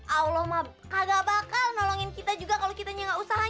allah mah kagak bakal nolongin kita juga kalau kitenya nggak usahanya